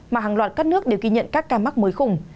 mà hàng loạt các nước đều ghi nhận các ca mắc mới khủng